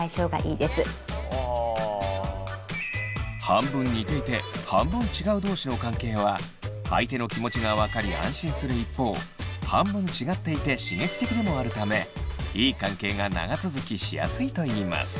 半分似ていて半分違う同士の関係は相手の気持ちが分かり安心する一方半分違っていて刺激的でもあるためいい関係が長続きしやすいといいます。